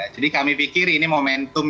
jadi kami pikir ini momentum